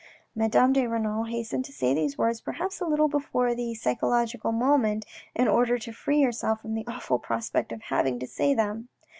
Madame de Renal hastened to say these words, perhaps a little before the psychological moment, in order to free herself from the awful prospect of having to say them.